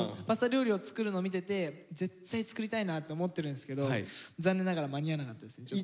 パスタ料理を作るの見てて絶対作りたいなと思ってるんですけど残念ながら間に合わなかったですね。